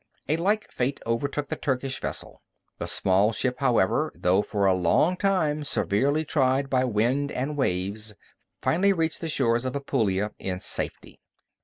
A like fate overtook the Turkish vessel. The small ship, however, though for a long time severely tried by wind and waves, finally reached the shores of Apulia in safety.